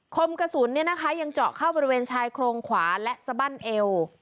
คมกระสุนยังเจาะเข้าบริเวณชายโครงขวาและสบั้นเอว